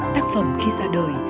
tác phẩm khi xa đời